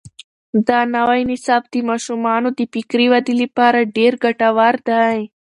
دا نوی نصاب د ماشومانو د فکري ودې لپاره ډېر ګټور دی.